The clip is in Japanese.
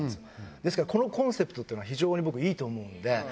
ですからこのコンセプトっていうのは非常に僕いいと思うんで。